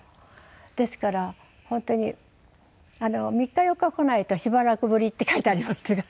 ですから本当に３日４日こないと「しばらくぶり」って書いてありましたから。